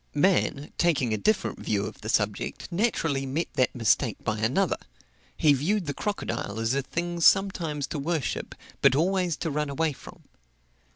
Man, taking a different view of the subject, naturally met that mistake by another; he viewed the crocodile as a thing sometimes to worship, but always to run away from.